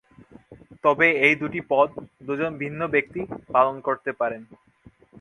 তবে এই দুটি পদ দুজন ভিন্ন ব্যক্তি পালন করতে পারে।